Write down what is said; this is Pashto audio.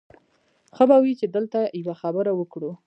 ښه به وي چې دلته یوه خبره وکړو